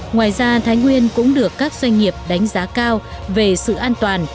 ngoài ra thái nguyên cũng được các doanh nghiệp đánh giá cao về sự an toàn